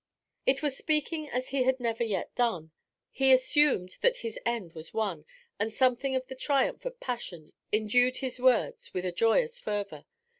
It was speaking as he had never yet done. He assumed that his end was won, and something of the triumph of passion endued his words with a joyous fervour.